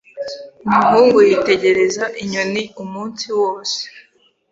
Umuhungu yitegereza inyoni umunsi wose.